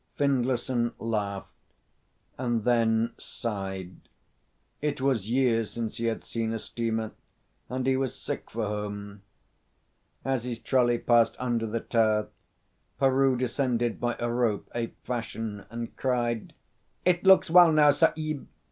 Findlayson laughed and then sighed. It was years since he had seen a steamer, and he was sick for home. As his trolley passed under the tower, Peroo descended by a rope, ape fashion, and cried: "It looks well now, Sahib.